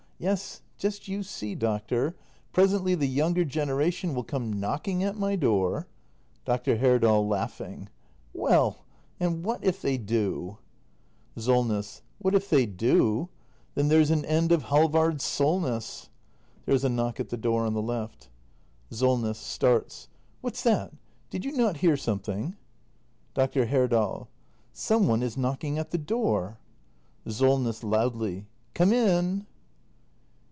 Yes, just you see, doctor — presently the younger generation will come knocking at my door Dr. Herdal. Well, and what if they do ? SOLNESS. What if they do ? Then there's an end of Halvard Solness. [There is a knock at the door on the left. SOLNESS. [Starts.] What's that ? Did you not hear something ? Dr. Herdal. Some one is knocking at the door. Solness. [Loudly.] Come in.